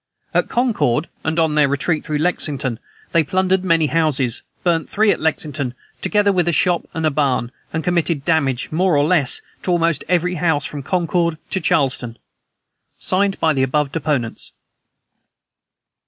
At Concord, and on their retreat through Lexington, they plundered many houses, burnt three at Lexington, together with a shop and barn, and committed damage, more or less, to almost every house from Concord to Charlestown. "Signed by the above deponents."